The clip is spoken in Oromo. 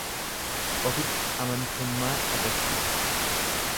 Ofitti amantummaa agarsiisa.